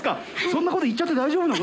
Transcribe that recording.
そんなこと言っちゃって大丈夫なの？